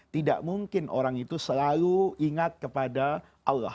tidak mungkin orang itu selalu ingat kepada allah